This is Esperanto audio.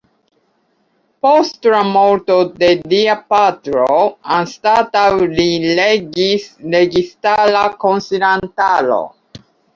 Post la morto de lia patro anstataŭ li regis registara konsilantaro.